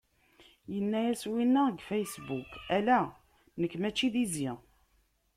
Yenna-yas winna deg Facebook: ala, nekk mačči d izi!